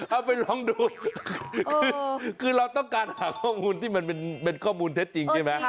เอาไปลองดูคือเราต้องการหาข้อมูลที่มันเป็นข้อมูลเท็จจริงใช่ไหม